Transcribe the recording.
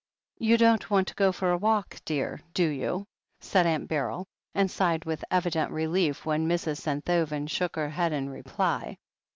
"You don't want to go for a walk, dear, do you?" said Aunt Beryl, and sighed with evident relief when Mrs. Senthoven shook her head in reply.